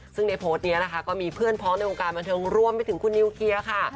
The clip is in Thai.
ซึ่งในโพสต์นี้นะคะก็มีเพื่อนพ้องในวงการบันเทิงรวมไปถึงคุณนิวเคลียร์ค่ะ